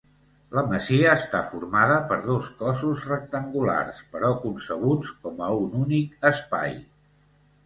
La masia està formada per dos cossos rectangulars però concebuts com a un únic espai.